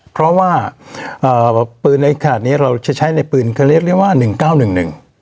เพราะว่าอ่าปืนในขณะนี้เราจะใช้ในปืนเขาเรียกเรียกว่าหนึ่งเก้าหนึ่งหนึ่ง